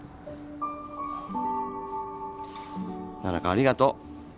七香ありがとう。